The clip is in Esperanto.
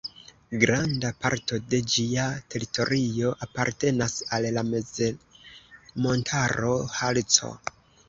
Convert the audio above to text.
Granda parto de ĝia teritorio apartenas al la mezmontaro Harco.